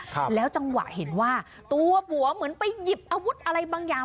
ครับแล้วจังหวะเห็นว่าตัวผัวเหมือนไปหยิบอาวุธอะไรบางอย่าง